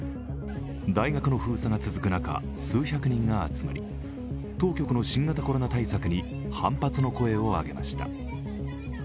大学の封鎖が続く中、数百人が集まり、当局の新型コロナ対策に反発の声を上げました。